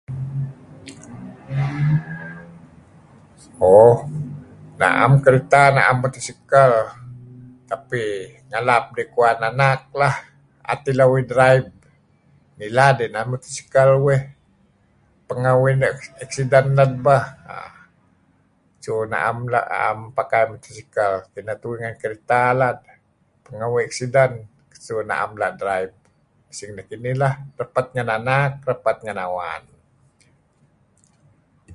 Oh, na'am kereta. 'am motorsikal, tapi ngalap idih kuwan anak lah. 'at uih drive. Ngilad inan morotikal uih pengeh uih neh eksiden nilad bah su 'am uih la' pakai motorsikal. Kineh tuih ngen kereta lah, pengeh uih eksiden su na'em la' drive mesing nekinih lah, repet ngen anak, repet ngen awan.